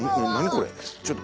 これちょっと。